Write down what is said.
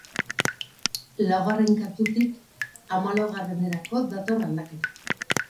Laugarren kantutik hamalaugarrenekora dator aldaketa.